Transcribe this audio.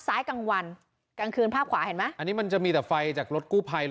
กลางวันกลางคืนภาพขวาเห็นไหมอันนี้มันจะมีแต่ไฟจากรถกู้ภัยนะ